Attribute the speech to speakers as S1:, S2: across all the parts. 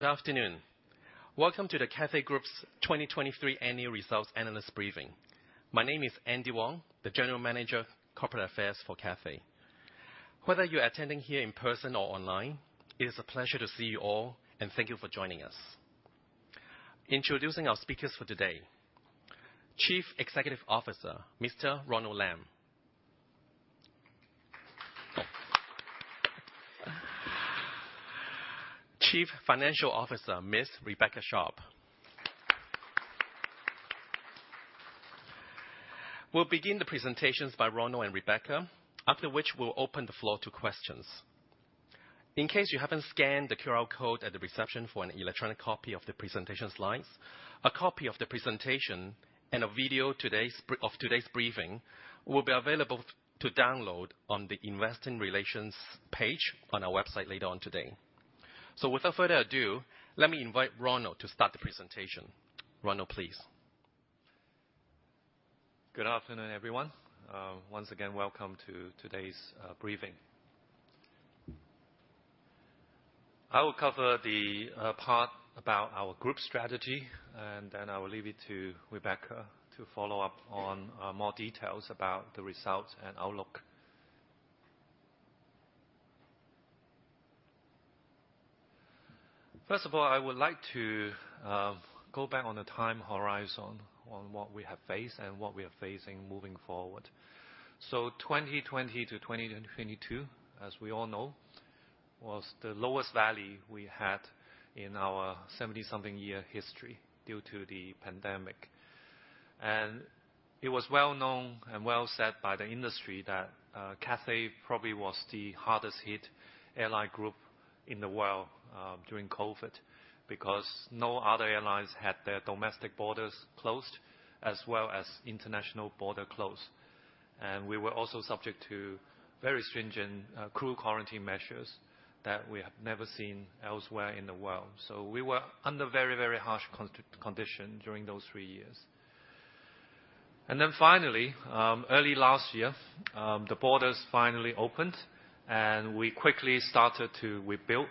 S1: Good afternoon. Welcome to the Cathay Group's 2023 Annual Results Analyst Briefing. My name is Andy Wong, the General Manager, Corporate Affairs for Cathay. Whether you're attending here in person or online, it is a pleasure to see you all, and thank you for joining us. Introducing our speakers for today: Chief Executive Officer, Mr. Ronald Lam. Chief Financial Officer, Ms. Rebecca Sharpe. We'll begin the presentations by Ronald and Rebecca, after which we'll open the floor to questions. In case you haven't scanned the QR code at the reception for an electronic copy of the presentation slides, a copy of the presentation and a video of today's briefing will be available to download on the Investor Relations page on our website later on today. So without further ado, let me invite Ronald to start the presentation. Ronald, please.
S2: Good afternoon, everyone. Once again, welcome to today's briefing. I will cover the part about our group strategy, and then I will leave it to Rebecca to follow up on more details about the results and outlook. First of all, I would like to go back on the time horizon on what we have faced and what we are facing moving forward. So 2020 to 2022, as we all know, was the lowest value we had in our 70-something-year history due to the pandemic. And it was well known and well said by the industry that Cathay probably was the hardest-hit airline group in the world during COVID because no other airlines had their domestic borders closed as well as international borders closed. And we were also subject to very stringent crew quarantine measures that we have never seen elsewhere in the world. We were under very, very harsh conditions during those three years. Then finally, early last year, the borders finally opened, and we quickly started to rebuild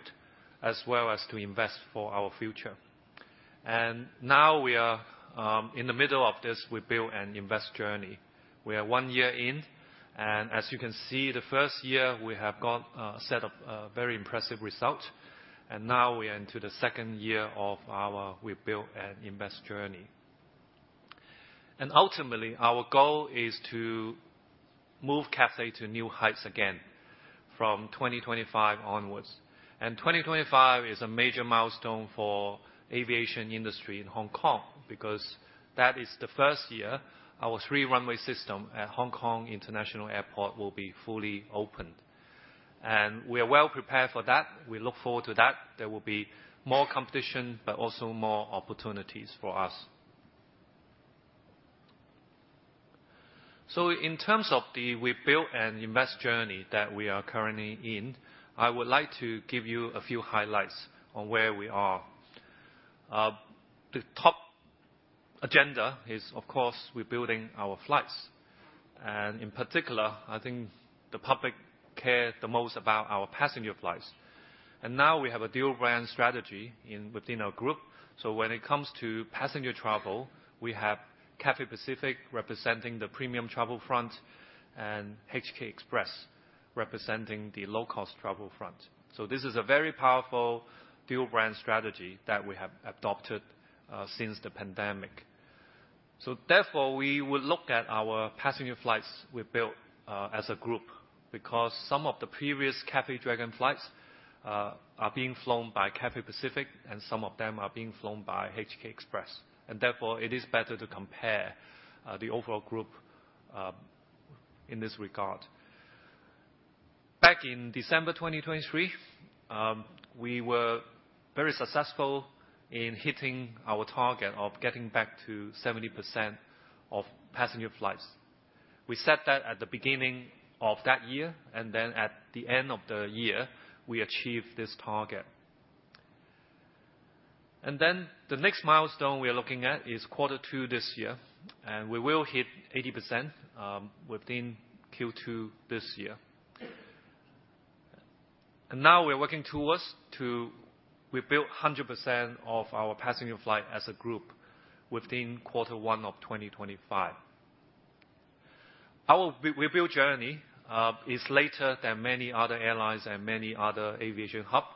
S2: as well as to invest for our future. Now we are in the middle of this rebuild and invest journey. We are one year in, and as you can see, the first year we have got a set of very impressive results, and now we are into the second year of our rebuild and invest journey. Ultimately, our goal is to move Cathay to new heights again from 2025 onwards. 2025 is a major milestone for the aviation industry in Hong Kong because that is the first year our Three-Runway System at Hong Kong International Airport will be fully opened. We are well prepared for that. We look forward to that. There will be more competition but also more opportunities for us. In terms of the rebuild and invest journey that we are currently in, I would like to give you a few highlights on where we are. The top agenda is, of course, rebuilding our flights. In particular, I think the public cares the most about our passenger flights. Now we have a dual brand strategy within our group. When it comes to passenger travel, we have Cathay Pacific representing the premium travel front and HK Express representing the low-cost travel front. This is a very powerful dual brand strategy that we have adopted since the pandemic. Therefore, we would look at our passenger flights rebuilt as a group because some of the previous Cathay Dragon flights are being flown by Cathay Pacific, and some of them are being flown by HK Express. Therefore, it is better to compare the overall group in this regard. Back in December 2023, we were very successful in hitting our target of getting back to 70% of passenger flights. We set that at the beginning of that year, and then at the end of the year, we achieved this target. Then the next milestone we are looking at is quarter two this year, and we will hit 80% within Q2 this year. Now we are working towards rebuilding 100% of our passenger flights as a group within quarter one of 2025. Our rebuild journey is later than many other airlines and many other aviation hubs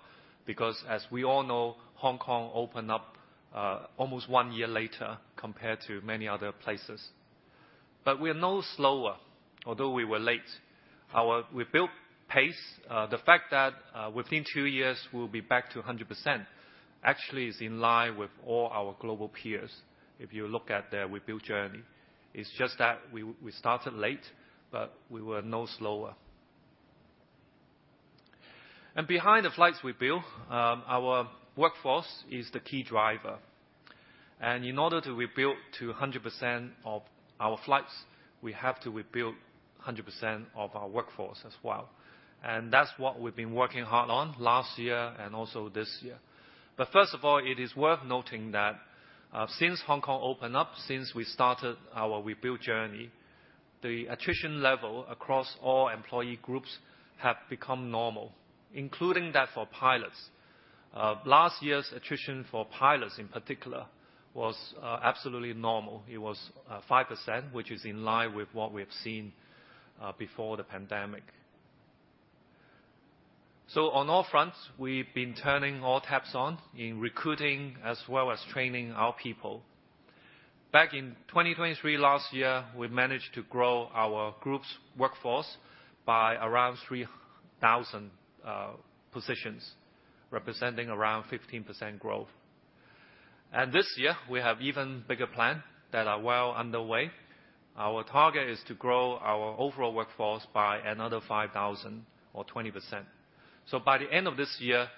S2: because, as we all know, Hong Kong opened up almost one year later compared to many other places. But we are no slower, although we were late. Our rebuild pace, the fact that within two years we'll be back to 100%, actually is in line with all our global peers if you look at their rebuild journey. It's just that we started late, but we were no slower. Behind the flights rebuild, our workforce is the key driver. In order to rebuild to 100% of our flights, we have to rebuild 100% of our workforce as well. That's what we've been working hard on last year and also this year. But first of all, it is worth noting that since Hong Kong opened up, since we started our rebuild journey, the attrition level across all employee groups has become normal, including that for pilots. Last year's attrition for pilots, in particular, was absolutely normal. It was 5%, which is in line with what we have seen before the pandemic. So on all fronts, we've been turning all taps on in recruiting as well as training our people. Back in 2023 last year, we managed to grow our group's workforce by around 3,000 positions, representing around 15% growth. And this year, we have even bigger plans that are well underway. Our target is to grow our overall workforce by another 5,000 or 20%. So by the end of this year,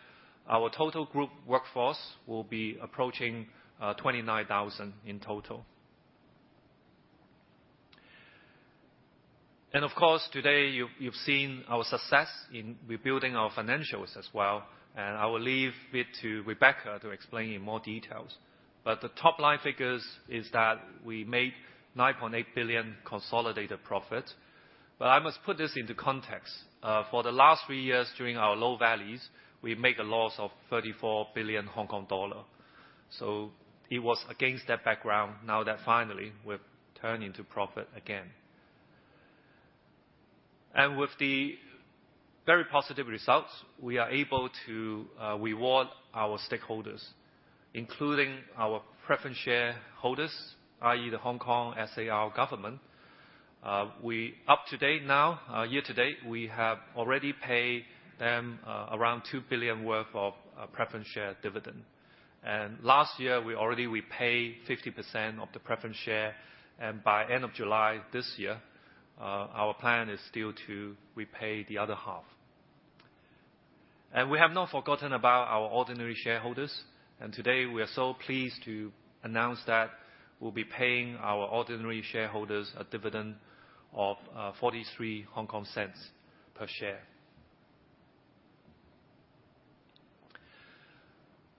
S2: our total group workforce will be approaching 29,000 in total. And of course, today you've seen our success in rebuilding our financials as well, and I will leave it to Rebecca to explain in more details. But the top line figures are that we made 9.8 billion consolidated profit. But I must put this into context. For the last three years during our low values, we made a loss of 34 billion Hong Kong dollar. So it was against that background now that finally we've turned into profit again. And with the very positive results, we are able to reward our stakeholders, including our preference shareholders, i.e., the Hong Kong SAR Government. Up to date now, year to date, we have already paid them around 2 billion worth of preference share dividend. And last year, we already repaid 50% of the preference shares, and by the end of July this year, our plan is still to repay the other half. And we have not forgotten about our ordinary shareholders, and today we are so pleased to announce that we'll be paying our ordinary shareholders a dividend of 0.43 HKD per share.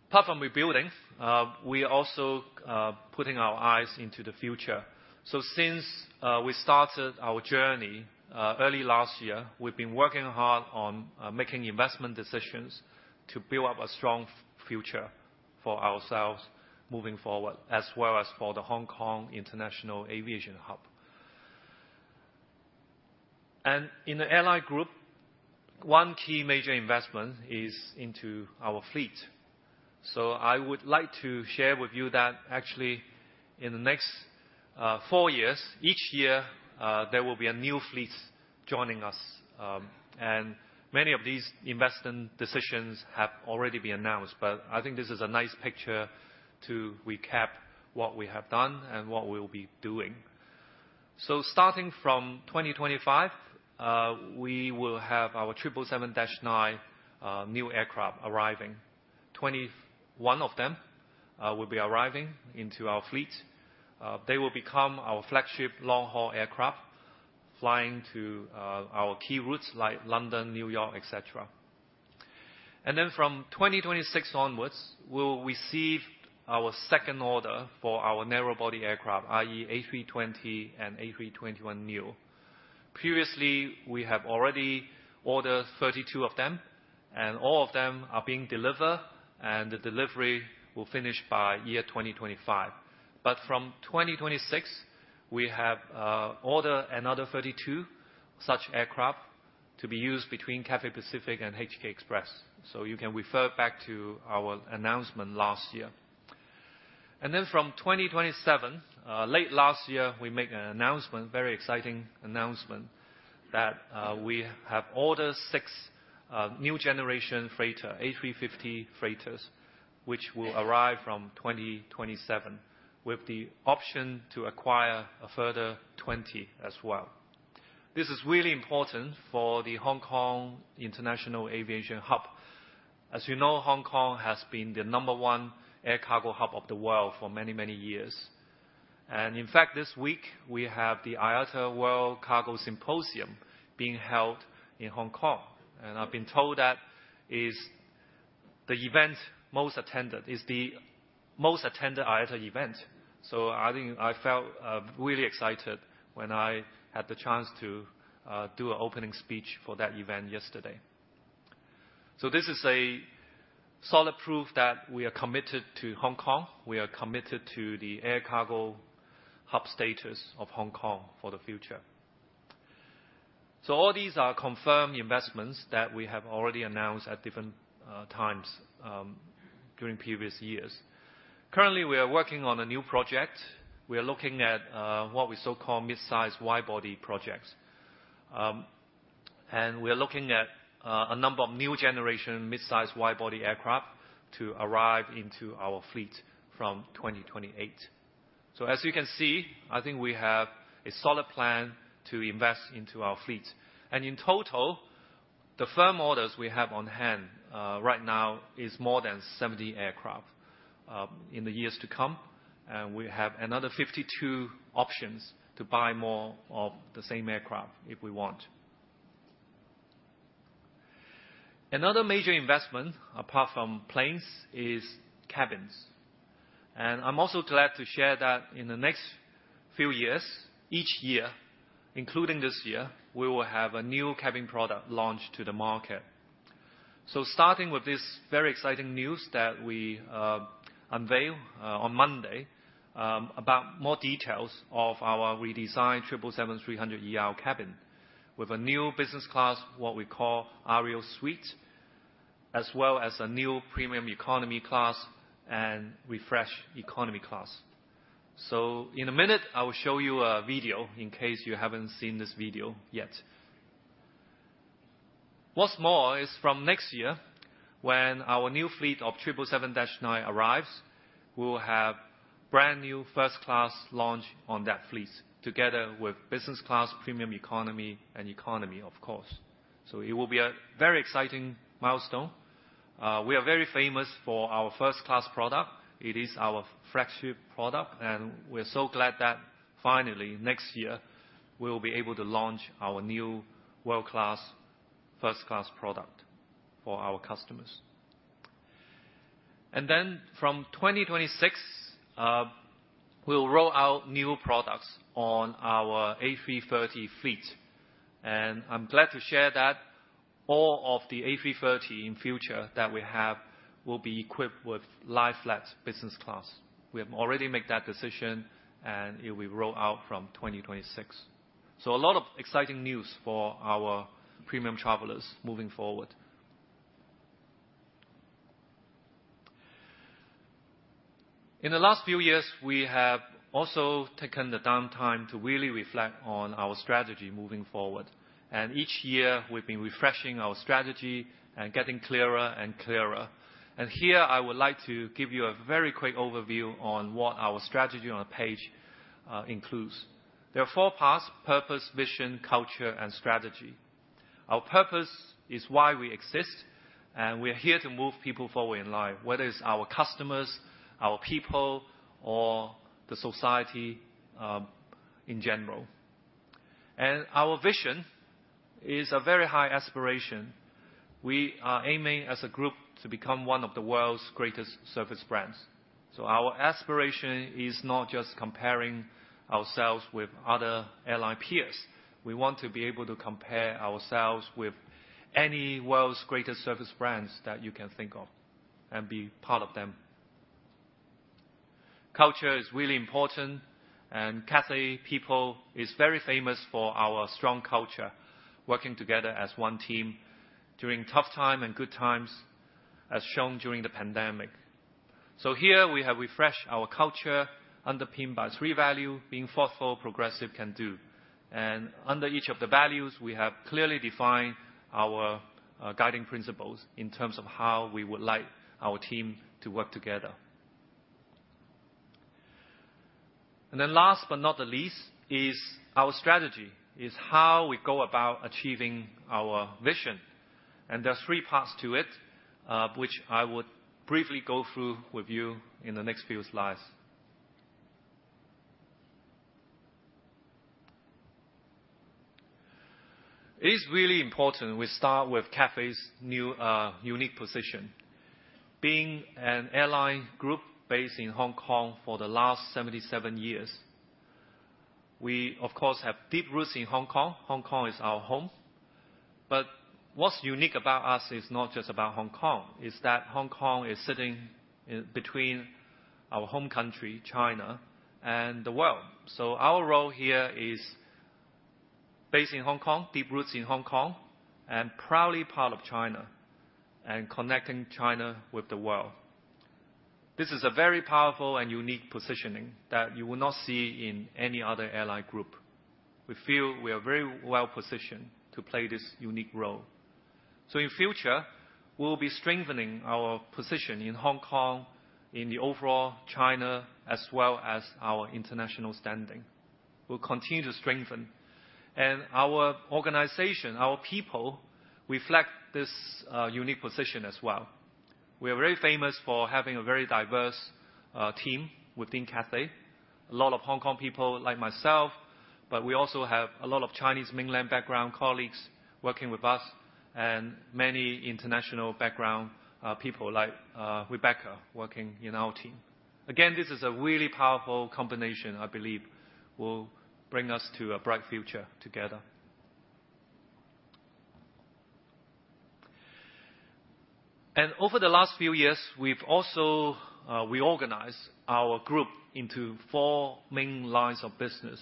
S2: Apart from rebuilding, we are also putting our eyes into the future. So since we started our journey early last year, we've been working hard on making investment decisions to build up a strong future for ourselves moving forward as well as for the Hong Kong International Aviation Hub. And in the airline group, one key major investment is into our fleet. So I would like to share with you that actually, in the next four years, each year there will be a new fleet joining us. And many of these investment decisions have already been announced, but I think this is a nice picture to recap what we have done and what we'll be doing. So starting from 2025, we will have our 777-9 new aircraft arriving. 21 of them will be arriving into our fleet. They will become our flagship long-haul aircraft, flying to our key routes like London, New York, etc. Then from 2026 onwards, we'll receive our second order for our narrow-body aircraft, i.e., A320neo and A321neo. Previously, we have already ordered 32 of them, and all of them are being delivered, and the delivery will finish by 2025. From 2026, we have ordered another 32 such aircraft to be used between Cathay Pacific and HK Express. You can refer back to our announcement last year. From 2027, late last year, we made an announcement, a very exciting announcement, that we have ordered 6 new-generation freighters, A350 freighters, which will arrive from 2027 with the option to acquire a further 20 as well. This is really important for the Hong Kong International Aviation Hub. As you know, Hong Kong has been the number one air cargo hub of the world for many, many years. In fact, this week, we have the IATA World Cargo Symposium being held in Hong Kong, and I've been told that it is the most attended IATA event. I felt really excited when I had the chance to do an opening speech for that event yesterday. This is solid proof that we are committed to Hong Kong. We are committed to the air cargo hub status of Hong Kong for the future. All these are confirmed investments that we have already announced at different times during previous years. Currently, we are working on a new project. We are looking at what we so-called midsize widebody projects. We are looking at a number of new-generation midsize widebody aircraft to arrive into our fleet from 2028. As you can see, I think we have a solid plan to invest into our fleet. In total, the firm orders we have on hand right now are more than 70 aircraft in the years to come, and we have another 52 options to buy more of the same aircraft if we want. Another major investment, apart from planes, is cabins. I'm also glad to share that in the next few years, each year, including this year, we will have a new cabin product launched to the market. Starting with this very exciting news that we unveiled on Monday about more details of our redesigned 777-300ER cabin with a new business class, what we call Aria Suite, as well as a new premium economy class and refreshed economy class. In a minute, I will show you a video in case you haven't seen this video yet. What's more is from next year, when our new fleet of 777-9 arrives, we will have brand new first-class launch on that fleet together with business class, premium economy, and economy, of course. So it will be a very exciting milestone. We are very famous for our first-class product. It is our flagship product, and we are so glad that finally, next year, we will be able to launch our new world-class first-class product for our customers. Then from 2026, we'll roll out new products on our A330 fleet. I'm glad to share that all of the A330 in the future that we have will be equipped with lie-flat business class. We have already made that decision, and it will be rolled out from 2026. So a lot of exciting news for our premium travelers moving forward. In the last few years, we have also taken the downtime to really reflect on our strategy moving forward. Each year, we've been refreshing our strategy and getting clearer and clearer. Here, I would like to give you a very quick overview on what our strategy on the page includes. There are four parts: purpose, vision, culture, and strategy. Our purpose is why we exist, and we are here to move people forward in life, whether it's our customers, our people, or the society in general. Our vision is a very high aspiration. We are aiming, as a group, to become one of the world's greatest service brands. Our aspiration is not just comparing ourselves with other airline peers. We want to be able to compare ourselves with any world's greatest service brands that you can think of and be part of them. Culture is really important, and Cathay people are very famous for our strong culture, working together as one team during tough times and good times, as shown during the pandemic. So here, we have refreshed our culture underpinned by three values: being thoughtful, progressive, can do. Under each of the values, we have clearly defined our guiding principles in terms of how we would like our team to work together. Then last but not the least is our strategy, how we go about achieving our vision. There are three parts to it, which I would briefly go through with you in the next few slides. It is really important we start with Cathay's unique position. Being an airline group based in Hong Kong for the last 77 years, we, of course, have deep roots in Hong Kong. Hong Kong is our home. But what's unique about us is not just about Hong Kong. It's that Hong Kong is sitting between our home country, China, and the world. So our role here is based in Hong Kong, deep roots in Hong Kong, and proudly part of China and connecting China with the world. This is a very powerful and unique positioning that you will not see in any other airline group. We feel we are very well positioned to play this unique role. So in the future, we'll be strengthening our position in Hong Kong, in the overall China, as well as our international standing. We'll continue to strengthen. And our organization, our people, reflect this unique position as well. We are very famous for having a very diverse team within Cathay, a lot of Hong Kong people like myself, but we also have a lot of Chinese mainland background colleagues working with us and many international background people like Rebecca working in our team. Again, this is a really powerful combination, I believe, will bring us to a bright future together. Over the last few years, we organized our group into four main lines of business: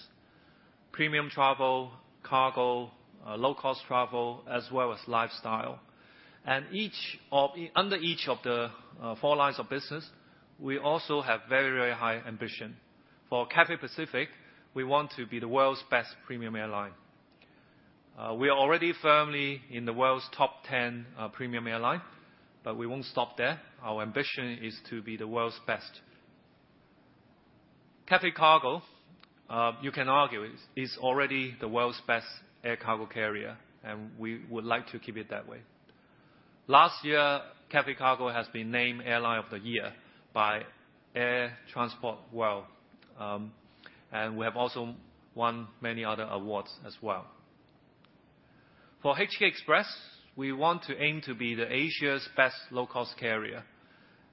S2: premium travel, cargo, low-cost travel, as well as lifestyle. Under each of the four lines of business, we also have very, very high ambition. For Cathay Pacific, we want to be the world's best premium airline. We are already firmly in the world's top 10 premium airlines, but we won't stop there. Our ambition is to be the world's best. Cathay Cargo, you can argue, is already the world's best air cargo carrier, and we would like to keep it that way. Last year, Cathay Cargo has been named Airline of the Year by Air Transport World, and we have also won many other awards as well. For HK Express, we want to aim to be Asia's best low-cost carrier.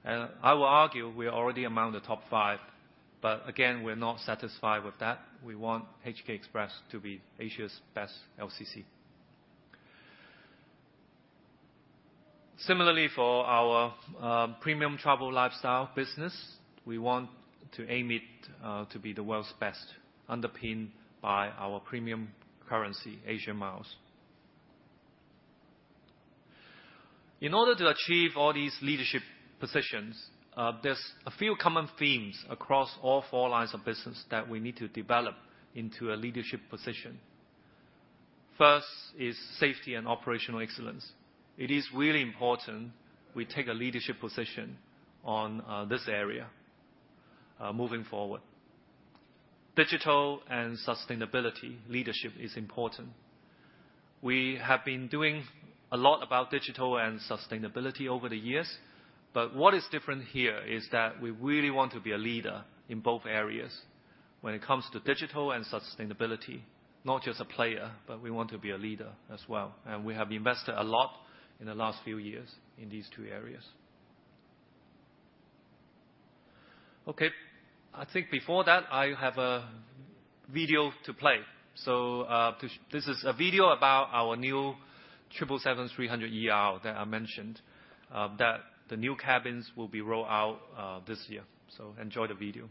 S2: I will argue we are already among the top five, but again, we are not satisfied with that. We want HK Express to be Asia's best LCC. Similarly, for our premium travel lifestyle business, we want to aim to be the world's best, underpinned by our premium currency, Asia Miles. In order to achieve all these leadership positions, there are a few common themes across all four lines of business that we need to develop into a leadership position. First is safety and operational excellence. It is really important we take a leadership position on this area moving forward. Digital and sustainability leadership is important. We have been doing a lot about digital and sustainability over the years, but what is different here is that we really want to be a leader in both areas when it comes to digital and sustainability, not just a player, but we want to be a leader as well. We have invested a lot in the last few years in these two areas. Okay. I think before that, I have a video to play. This is a video about our new 777-300ER that I mentioned, that the new cabins will be rolled out this year. Enjoy the video.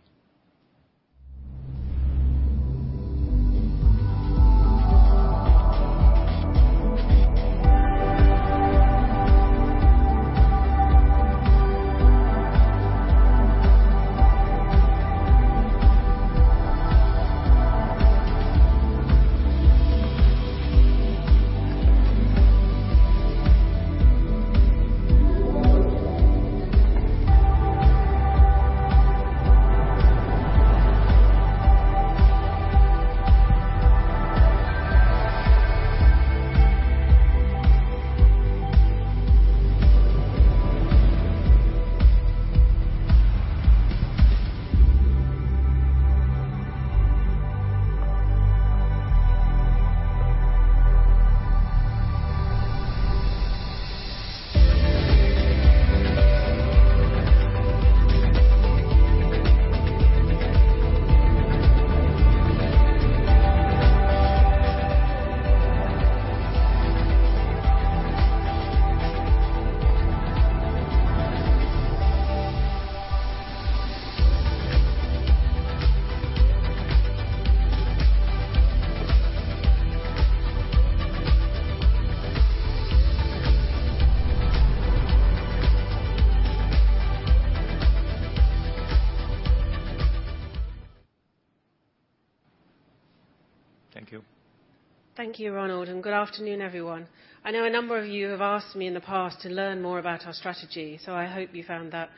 S3: Thank you. Thank you, Ronald, and good afternoon, everyone. I know a number of you have asked me in the past to learn more about our strategy, so I hope you found that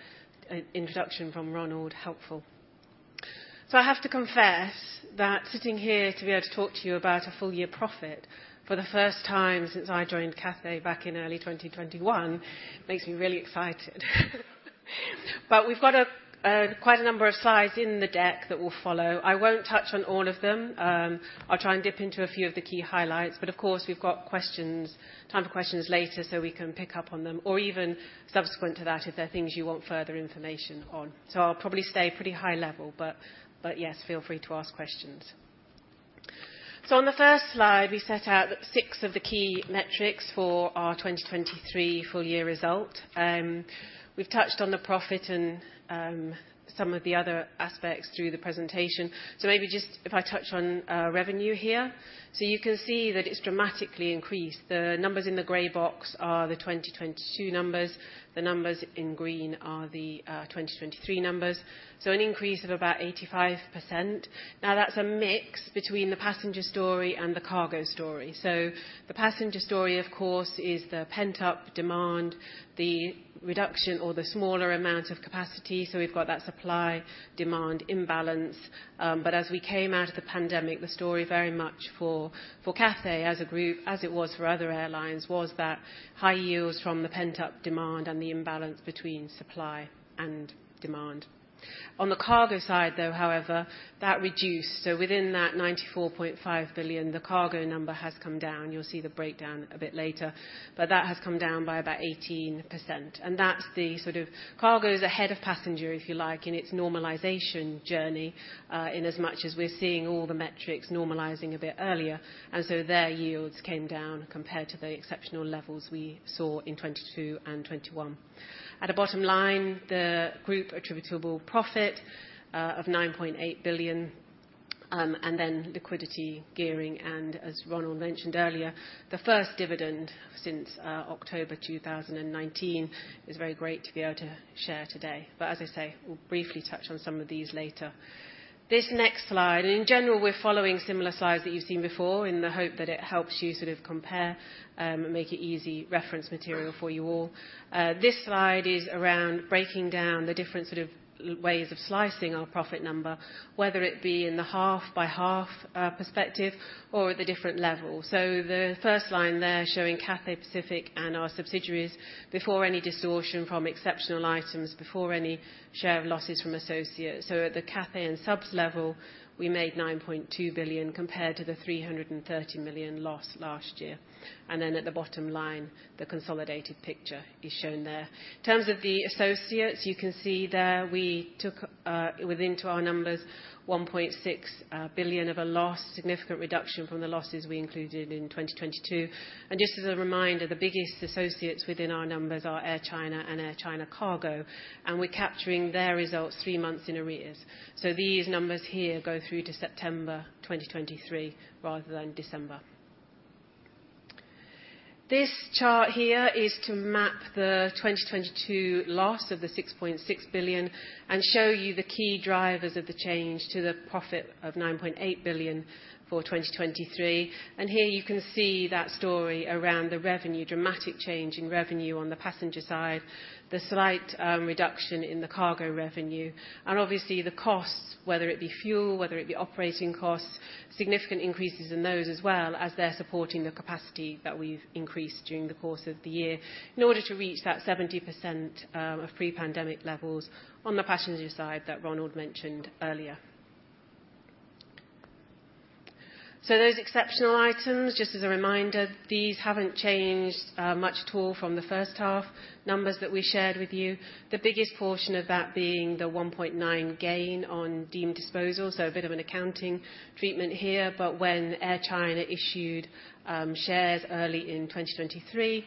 S3: introduction from Ronald helpful. So I have to confess that sitting here to be able to talk to you about a full-year profit for the first time since I joined Cathay back in early 2021 makes me really excited. But we've got quite a number of slides in the deck that will follow. I won't touch on all of them. I'll try and dip into a few of the key highlights. But of course, we've got time for questions later so we can pick up on them or even subsequent to that if there are things you want further information on. So I'll probably stay pretty high-level, but yes, feel free to ask questions. So on the first slide, we set out 6 of the key metrics for our 2023 full-year result. We've touched on the profit and some of the other aspects through the presentation. So maybe just if I touch on revenue here. So you can see that it's dramatically increased. The numbers in the grey box are the 2022 numbers. The numbers in green are the 2023 numbers, so an increase of about 85%. Now, that's a mix between the passenger story and the cargo story. So the passenger story, of course, is the pent-up demand, the reduction or the smaller amount of capacity. So we've got that supply-demand imbalance. But as we came out of the pandemic, the story very much for Cathay as a group, as it was for other airlines, was that high yields from the pent-up demand and the imbalance between supply and demand. On the cargo side, though, however, that reduced. So within that 94.5 billion, the cargo number has come down. You'll see the breakdown a bit later. But that has come down by about 18%. And that's the sort of cargo is ahead of passenger, if you like, in its normalization journey in as much as we're seeing all the metrics normalizing a bit earlier. And so their yields came down compared to the exceptional levels we saw in 2022 and 2021. At the bottom line, the group-attributable profit of 9.8 billion, and then liquidity, gearing, and as Ronald mentioned earlier, the first dividend since October 2019 is very great to be able to share today. But as I say, we'll briefly touch on some of these later. This next slide and in general, we're following similar slides that you've seen before in the hope that it helps you sort of compare and make it easy reference material for you all. This slide is around breaking down the different sort of ways of slicing our profit number, whether it be in the half-by-half perspective or at the different levels. So the first line there showing Cathay Pacific and our subsidiaries before any distortion from exceptional items, before any share of losses from associates. So at the Cathay and subs level, we made 9.2 billion compared to the 330 million loss last year. And then at the bottom line, the consolidated picture is shown there. In terms of the associates, you can see there we took within our numbers 1.6 billion of a loss, significant reduction from the losses we included in 2022. Just as a reminder, the biggest associates within our numbers are Air China and Air China Cargo. We're capturing their results three months in arrears. These numbers here go through to September 2023 rather than December. This chart here is to map the 2022 loss of 6.6 billion and show you the key drivers of the change to the profit of 9.8 billion for 2023. Here, you can see that story around the dramatic change in revenue on the passenger side, the slight reduction in the cargo revenue, and obviously the costs, whether it be fuel, whether it be operating costs, significant increases in those as well as they're supporting the capacity that we've increased during the course of the year in order to reach that 70% of pre-pandemic levels on the passenger side that Ronald mentioned earlier. So those exceptional items, just as a reminder, these haven't changed much at all from the first half numbers that we shared with you, the biggest portion of that being the 1.9 gain on deemed disposal. So a bit of an accounting treatment here. But when Air China issued shares early in 2023,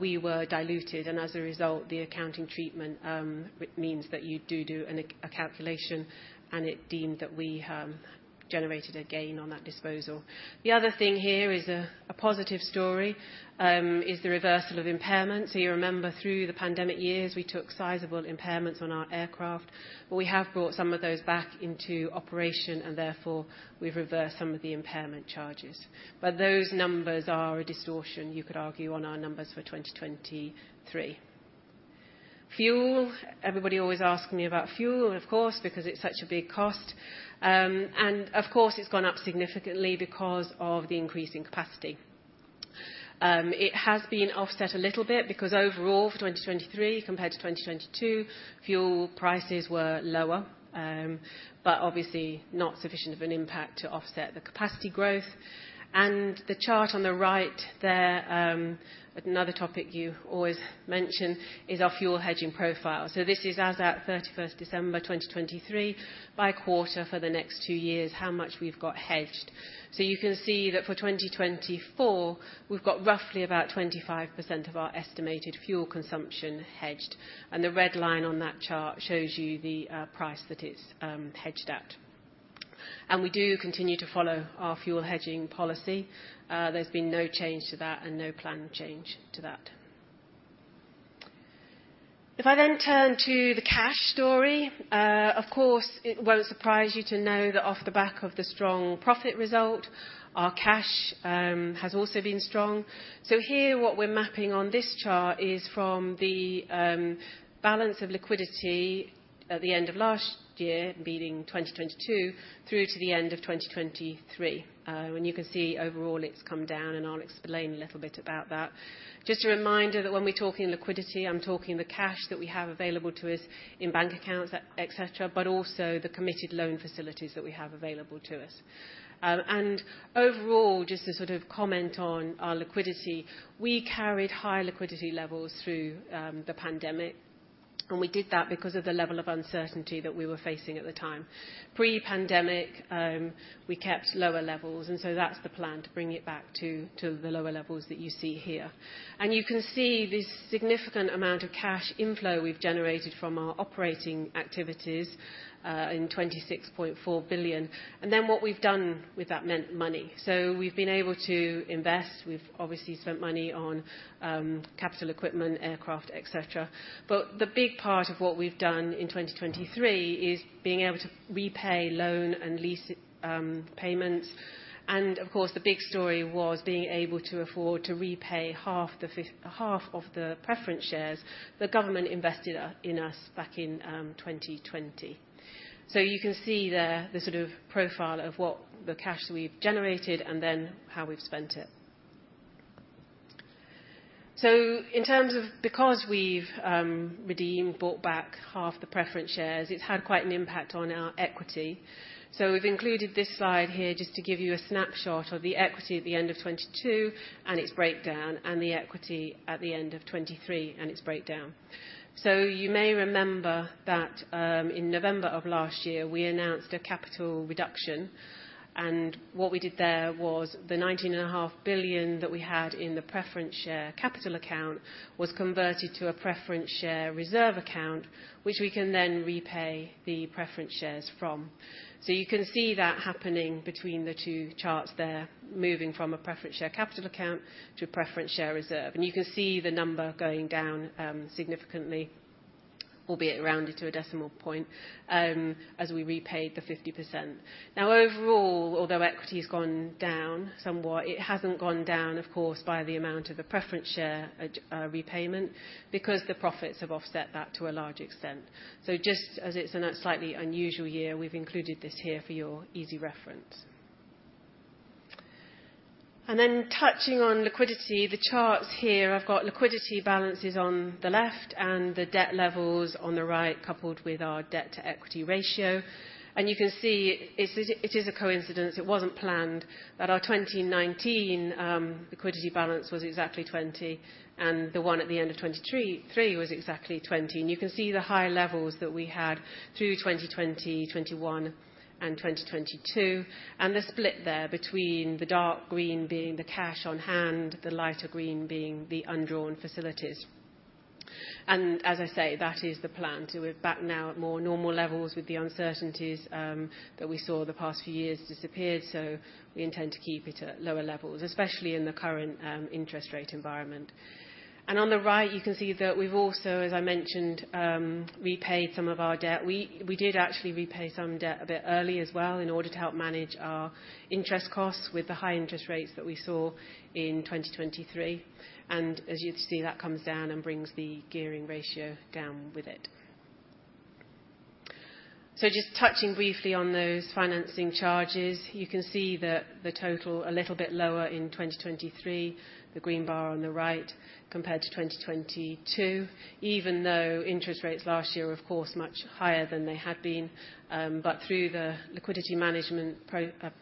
S3: we were diluted. And as a result, the accounting treatment means that you do do a calculation, and it deemed that we generated a gain on that disposal. The other thing here is a positive story is the reversal of impairments. So you remember through the pandemic years, we took sizable impairments on our aircraft. But we have brought some of those back into operation, and therefore, we've reversed some of the impairment charges. But those numbers are a distortion, you could argue, on our numbers for 2023. Fuel. Everybody always asks me about fuel, of course, because it's such a big cost. And of course, it's gone up significantly because of the increase in capacity. It has been offset a little bit because overall for 2023 compared to 2022, fuel prices were lower but obviously not sufficient of an impact to offset the capacity growth. And the chart on the right there, another topic you always mention, is our fuel hedging profile. So this is as at 31st December 2023, by quarter for the next two years, how much we've got hedged. So you can see that for 2024, we've got roughly about 25% of our estimated fuel consumption hedged. And the red line on that chart shows you the price that it's hedged at. And we do continue to follow our fuel hedging policy. There's been no change to that and no plan change to that. If I then turn to the cash story, of course, it won't surprise you to know that off the back of the strong profit result, our cash has also been strong. Here, what we're mapping on this chart is from the balance of liquidity at the end of last year, meaning 2022, through to the end of 2023. You can see overall, it's come down, and I'll explain a little bit about that. Just a reminder that when we're talking liquidity, I'm talking the cash that we have available to us in bank accounts, etc., but also the committed loan facilities that we have available to us. Overall, just to sort of comment on our liquidity, we carried high liquidity levels through the pandemic. We did that because of the level of uncertainty that we were facing at the time. Pre-pandemic, we kept lower levels. That's the plan, to bring it back to the lower levels that you see here. You can see this significant amount of cash inflow we've generated from our operating activities in 26.4 billion. And then what we've done with that money. So we've been able to invest. We've obviously spent money on capital equipment, aircraft, etc. But the big part of what we've done in 2023 is being able to repay loan and lease payments. And of course, the big story was being able to afford to repay half of the preference shares the government invested in us back in 2020. So you can see there the sort of profile of what the cash we've generated and then how we've spent it. So in terms of because we've redeemed, bought back half the preference shares, it's had quite an impact on our equity. So we've included this slide here just to give you a snapshot of the equity at the end of 2022 and its breakdown and the equity at the end of 2023 and its breakdown. So you may remember that in November of last year, we announced a capital reduction. And what we did there was the 19.5 billion that we had in the preference share capital account was converted to a preference share reserve account, which we can then repay the preference shares from. So you can see that happening between the two charts there, moving from a preference share capital account to a preference share reserve. And you can see the number going down significantly, albeit rounded to a decimal point, as we repaid the 50%. Now, overall, although equity has gone down somewhat, it hasn't gone down, of course, by the amount of the preference share repayment because the profits have offset that to a large extent. So just as it's a slightly unusual year, we've included this here for your easy reference. And then touching on liquidity, the charts here, I've got liquidity balances on the left and the debt levels on the right coupled with our debt-to-equity ratio. And you can see it is a coincidence. It wasn't planned that our 2019 liquidity balance was exactly 20 and the one at the end of 2023 was exactly 20. And you can see the high levels that we had through 2020, 2021, and 2022 and the split there between the dark green being the cash on hand, the lighter green being the undrawn facilities. And as I say, that is the plan. So we're back now at more normal levels with the uncertainties that we saw the past few years disappeared. So we intend to keep it at lower levels, especially in the current interest rate environment. And on the right, you can see that we've also, as I mentioned, repaid some of our debt. We did actually repay some debt a bit early as well in order to help manage our interest costs with the high interest rates that we saw in 2023. And as you see, that comes down and brings the gearing ratio down with it. So just touching briefly on those financing charges, you can see that the total a little bit lower in 2023, the green bar on the right, compared to 2022, even though interest rates last year were, of course, much higher than they had been. But through the liquidity management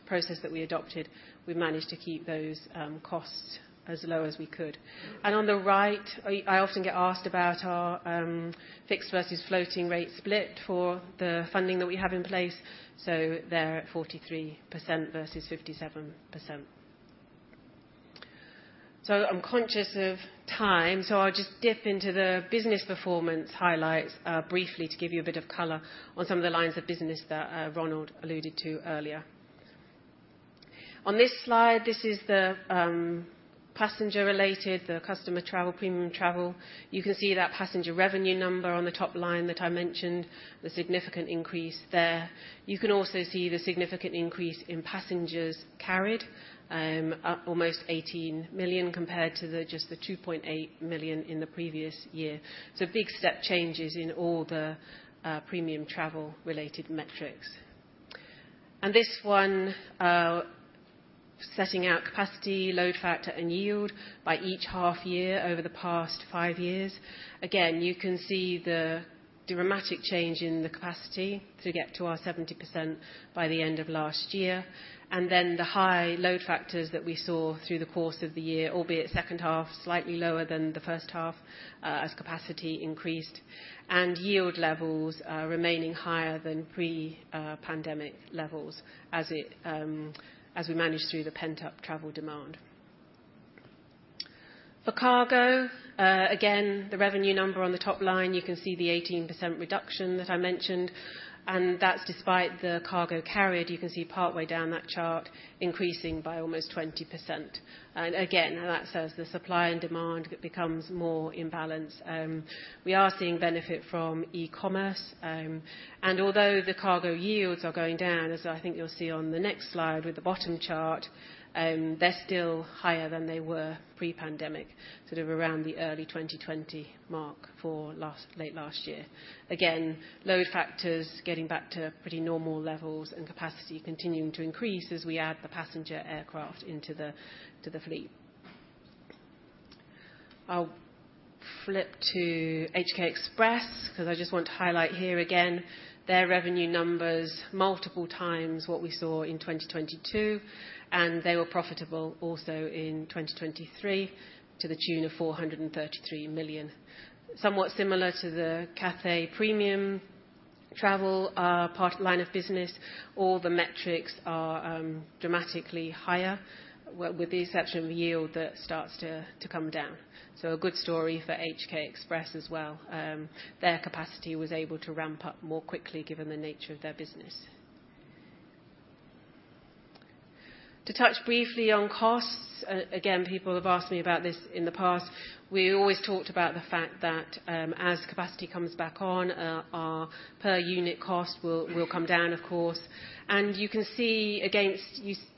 S3: process that we adopted, we've managed to keep those costs as low as we could. And on the right, I often get asked about our fixed versus floating rate split for the funding that we have in place. So they're at 43% versus 57%. So I'm conscious of time. So I'll just dip into the business performance highlights briefly to give you a bit of color on some of the lines of business that Ronald alluded to earlier. On this slide, this is the passenger-related, the customer travel, premium travel. You can see that passenger revenue number on the top line that I mentioned, the significant increase there. You can also see the significant increase in passengers carried, almost 18 million compared to just the 2.8 million in the previous year. So big step changes in all the premium travel-related metrics. This one, setting out capacity, load factor, and yield by each half year over the past five years. Again, you can see the dramatic change in the capacity to get to our 70% by the end of last year and then the high load factors that we saw through the course of the year, albeit second half slightly lower than the first half as capacity increased and yield levels remaining higher than pre-pandemic levels as we managed through the pent-up travel demand. For cargo, again, the revenue number on the top line, you can see the 18% reduction that I mentioned. And that's despite the cargo carried. You can see partway down that chart increasing by almost 20%. And again, that says the supply and demand becomes more imbalanced. We are seeing benefit from e-commerce. And although the cargo yields are going down, as I think you'll see on the next slide with the bottom chart, they're still higher than they were pre-pandemic, sort of around the early 2020 mark for late last year. Again, load factors getting back to pretty normal levels and capacity continuing to increase as we add the passenger aircraft into the fleet. I'll flip to HK Express because I just want to highlight here again their revenue numbers multiple times what we saw in 2022. And they were profitable also in 2023 to the tune of 433 million, somewhat similar to the Cathay premium travel line of business. All the metrics are dramatically higher with the exception of yield that starts to come down. So a good story for HK Express as well. Their capacity was able to ramp up more quickly given the nature of their business. To touch briefly on costs, again, people have asked me about this in the past. We always talked about the fact that as capacity comes back on, our per-unit cost will come down, of course. You can see against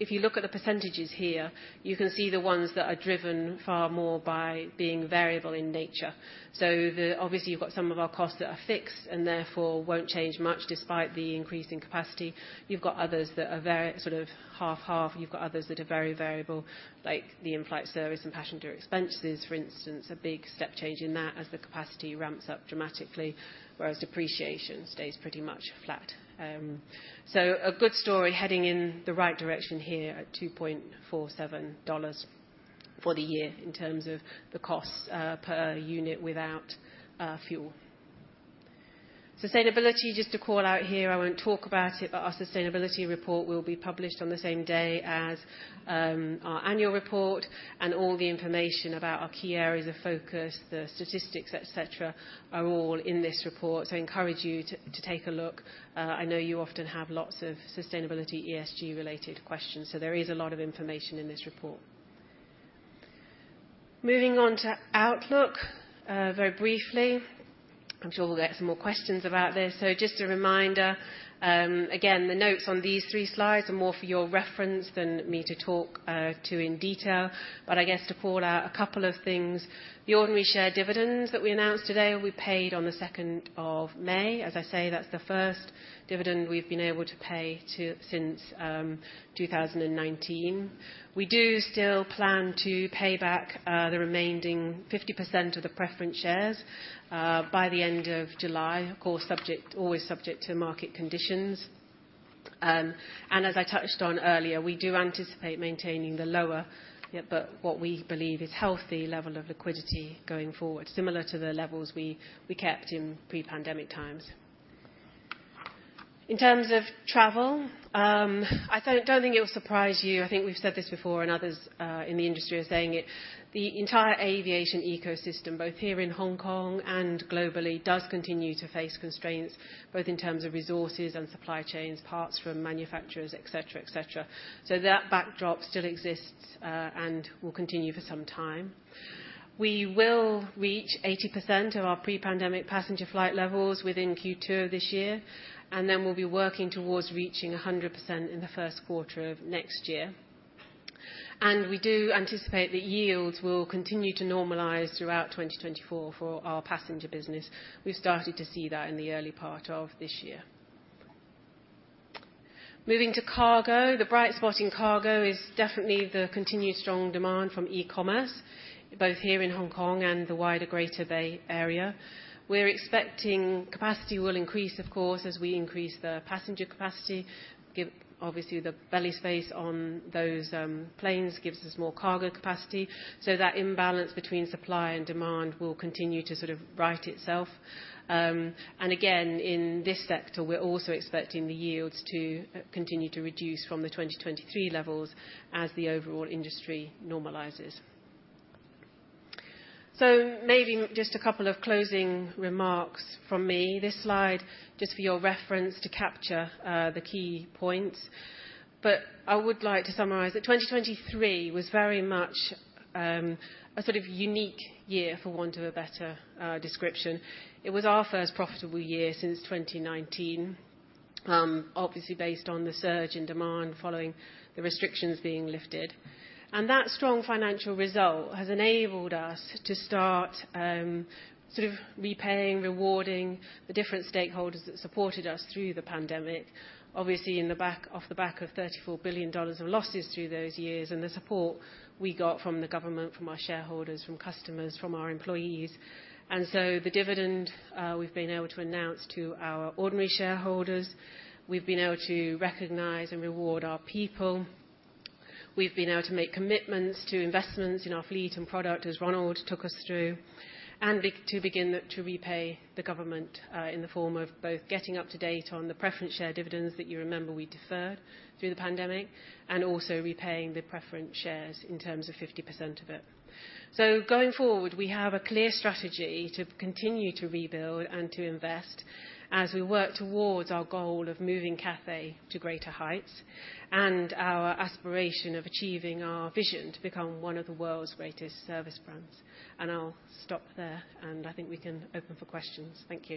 S3: if you look at the percentages here, you can see the ones that are driven far more by being variable in nature. So obviously, you've got some of our costs that are fixed and therefore won't change much despite the increase in capacity. You've got others that are sort of half-half. You've got others that are very variable, like the in-flight service and passenger expenses, for instance, a big step change in that as the capacity ramps up dramatically, whereas depreciation stays pretty much flat. So a good story heading in the right direction here at $2.47 for the year in terms of the costs per unit without fuel. Sustainability, just to call out here, I won't talk about it, but our sustainability report will be published on the same day as our annual report. All the information about our key areas of focus, the statistics, etc., are all in this report. So I encourage you to take a look. I know you often have lots of sustainability ESG-related questions. So there is a lot of information in this report. Moving on to Outlook very briefly. I'm sure we'll get some more questions about this. So just a reminder, again, the notes on these three slides are more for your reference than me to talk to in detail. But I guess to call out a couple of things, the ordinary share dividends that we announced today will be paid on the 2nd of May. As I say, that's the first dividend we've been able to pay since 2019. We do still plan to pay back the remaining 50% of the preference shares by the end of July, of course, always subject to market conditions. As I touched on earlier, we do anticipate maintaining the lower but what we believe is healthy level of liquidity going forward, similar to the levels we kept in pre-pandemic times. In terms of travel, I don't think it will surprise you. I think we've said this before, and others in the industry are saying it. The entire aviation ecosystem, both here in Hong Kong and globally, does continue to face constraints both in terms of resources and supply chains, parts from manufacturers, etc., etc. So that backdrop still exists and will continue for some time. We will reach 80% of our pre-pandemic passenger flight levels within Q2 of this year. Then we'll be working towards reaching 100% in the first quarter of next year. We do anticipate that yields will continue to normalize throughout 2024 for our passenger business. We've started to see that in the early part of this year. Moving to cargo, the bright spot in cargo is definitely the continued strong demand from e-commerce, both here in Hong Kong and the wider Greater Bay Area. We're expecting capacity will increase, of course, as we increase the passenger capacity. Obviously, the belly space on those planes gives us more cargo capacity. So that imbalance between supply and demand will continue to sort of right itself. Again, in this sector, we're also expecting the yields to continue to reduce from the 2023 levels as the overall industry normalizes. Maybe just a couple of closing remarks from me. This slide just for your reference to capture the key points. But I would like to summarize that 2023 was very much a sort of unique year, for want of a better description. It was our first profitable year since 2019, obviously based on the surge in demand following the restrictions being lifted. And that strong financial result has enabled us to start sort of repaying, rewarding the different stakeholders that supported us through the pandemic, obviously off the back of $34 billion of losses through those years and the support we got from the government, from our shareholders, from customers, from our employees. And so the dividend we've been able to announce to our ordinary shareholders, we've been able to recognize and reward our people. We've been able to make commitments to investments in our fleet and product as Ronald took us through and to begin to repay the government in the form of both getting up to date on the preference share dividends that you remember we deferred through the pandemic and also repaying the preference shares in terms of 50% of it. So going forward, we have a clear strategy to continue to rebuild and to invest as we work towards our goal of moving Cathay to greater heights and our aspiration of achieving our vision to become one of the world's greatest service brands. And I'll stop there. And I think we can open for questions. Thank you.